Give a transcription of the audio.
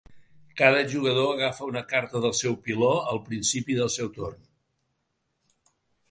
Cada jugador agafa una carta del seu piló al principi del seu torn.